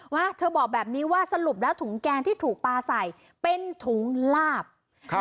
ว่าเธอบอกแบบนี้ว่าสรุปแล้วถุงแกงที่ถูกปลาใส่เป็นถุงลาบครับ